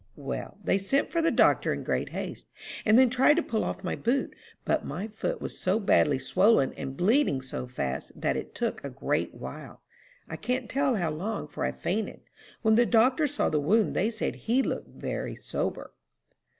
"Well, they sent for the doctor in great haste, and then tried to pull off my boot; but my foot was so badly swollen, and bleeding so fast, that it took a great while. I can't tell how long, for I fainted. When the doctor saw the wound they said he looked very sober."